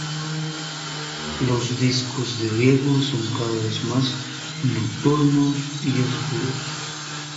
Los discos de Diego cada vez son más nocturnos y oscuros.